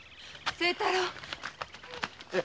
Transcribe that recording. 清太郎！